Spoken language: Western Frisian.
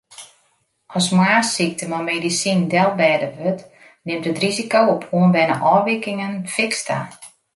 As moarnssykte mei medisinen delbêde wurdt, nimt it risiko op oanberne ôfwikingen fiks ta.